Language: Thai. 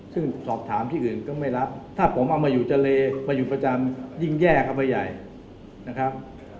ซึ่งสอบถามที่อื่นก็ไม่รับถ้าผมเอามาอยู่ทะเลมาอยู่ประจำยิ่งแย่เข้าไปใหญ่นะครับ